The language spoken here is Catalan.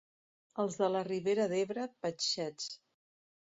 Els de la Ribera d'Ebre, patxets.